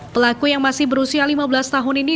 pelaku yang masih berusia lima belas tahun ini